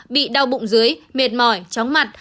bị đau bụng dưới mệt mỏi chóng mặt